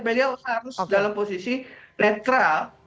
beliau harus dalam posisi netral